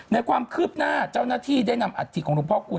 ในความคืบหน้าเจ้าหน้าที่ได้นำอาถิของทุกูล